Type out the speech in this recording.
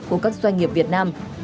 của các doanh nghiệp việt nam